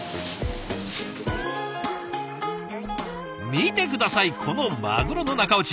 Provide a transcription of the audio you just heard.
見て下さいこのマグロの中落ち。